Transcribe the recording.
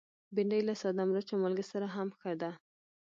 بېنډۍ له ساده مرچ او مالګه سره هم ښه ده